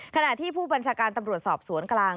ขณะที่ผู้บัญชาการตำรวจสอบสวนกลาง